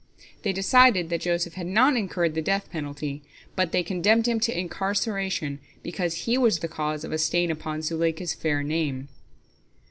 They decided that Joseph had not incurred the death penalty, but they condemned him to incarceration, because he was the cause of a stain upon Zuleika's fair name."